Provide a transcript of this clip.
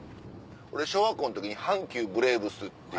俺小学校の時に阪急ブレーブスっていう。